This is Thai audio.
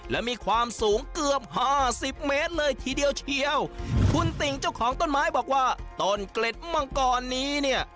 และมีความสูงเกือบห้าสิบเมตรเลยทีเดียวเชียวคุณติ่งเจ้าของต้นไม้บอกว่าต้นเกล็ดมังกรนี้เนี่ย